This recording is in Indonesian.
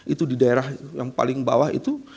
itu di daerah yang paling bawah itu